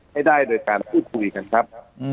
ให้ได้โดยการพูดคุยกันครับ